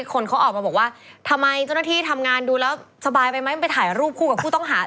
คนเขาออกมาบอกว่าทำไมเจ้าหน้าที่ทำงานดูแล้วสบายไปไหมมันไปถ่ายรูปคู่กับผู้ต้องหา